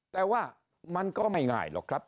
แต่ว่ามันก็ไม่ง่ายหรอกครับ